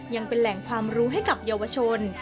ยังเป็นแหล่งความรู้ให้กับเยาวชน